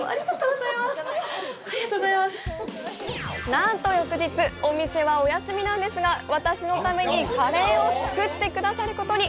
何と翌日、お店はお休みなんですが私のためにカレーを作ってくださることに！